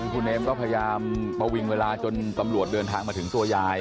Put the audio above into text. คุณเอมก็พยายามประวิงเวลาจนตำรวจเดินทางมาถึงตัวยาย